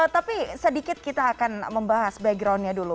tapi sedikit kita akan membahas backgroundnya dulu